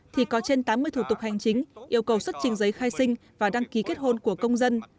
thì có trên tám mươi thủ tục hành chính yêu cầu xuất trình giấy khai sinh và đăng ký kết hôn của công dân